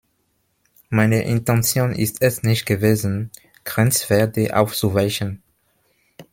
Meine Intention ist es nicht gewesen, Grenzwerte aufzuweichen.